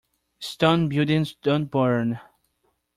Stone buildings don't burn.